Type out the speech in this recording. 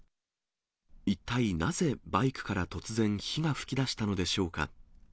一体なぜ、バイクから突然、火が噴き出したのでしょうか。